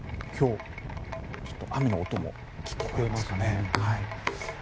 雨の音も聞こえますね。